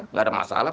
enggak ada masalah